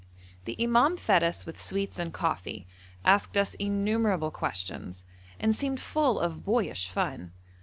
The imam fed us with sweets and coffee, asked us innumerable questions, and seemed full of boyish fun.